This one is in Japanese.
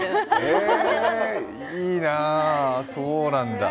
え、いいな、そうなんだ。